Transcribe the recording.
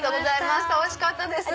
おいしかったです。